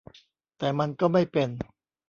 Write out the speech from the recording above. แต่มันก็ไม่เป็น